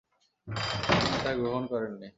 তিনি তা গ্রহণ করেননি।